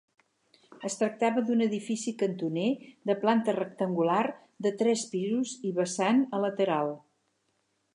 Es tractava d'un edifici cantoner de planta rectangular, de tres pisos i vessant a lateral.